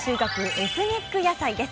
エスニック野菜です。